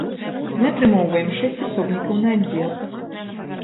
Мы атрымоўваем шэсць асобнікаў на аддзел.